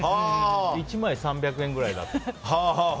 １枚３００円くらいと。